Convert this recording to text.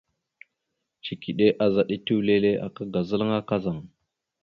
Cikiɗe azaɗ etew lele aka ga zalŋa kazaŋ.